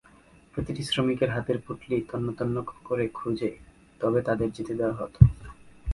প্রতিটি শ্রমিকের হাতের পুঁটলি তন্নতন্ন করে খুঁজে তবে তাঁদের যেতে দেওয়া হতো।